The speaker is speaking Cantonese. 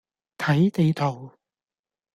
睇地圖